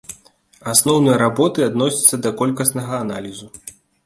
Асноўныя работы адносяцца да колькаснага аналізу.